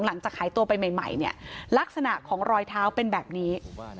หลังจากหายตัวไปใหม่เนี่ยลักษณะของรอยเท้าเป็นแบบนี้